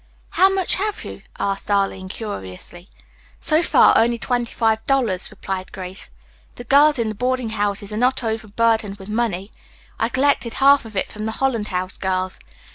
"How much have you?" asked Arline curiously. "So far only twenty five dollars," replied Grace. "The girls in the boarding houses are not overburdened with money. I collected half of it from the Holland House girls.